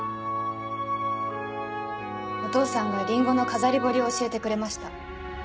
お父さんがリンゴの飾り彫りを教えてくれました。